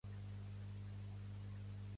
Inventat a la Xina.